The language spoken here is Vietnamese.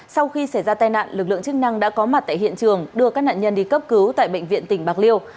sau khi xảy ra tai nạn lực lượng chức năng đã có mặt tại hiện trường đưa các nạn nhân đi cấp cứu tại bệnh viện tỉnh bạc liêu